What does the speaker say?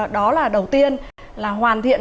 đó là đầu tiên là hoàn thiện